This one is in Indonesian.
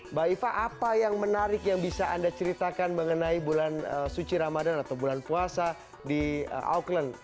mbak iva apa yang menarik yang bisa anda ceritakan mengenai bulan suci ramadan atau bulan puasa di auckland